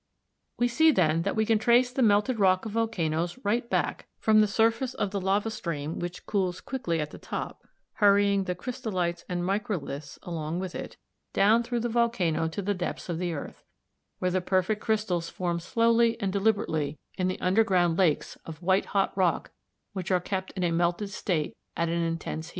We see then that we can trace the melted rock of volcanoes right back from the surface of the lava stream which cools quickly at the top, hurrying the crystallites and microliths along with it down through the volcano to the depths of the earth, where the perfect crystals form slowly and deliberately in the underground lakes of white hot rock which are kept in a melted state at an intense heat.